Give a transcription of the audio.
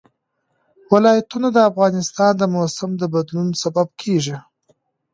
ولایتونه د افغانستان د موسم د بدلون سبب کېږي.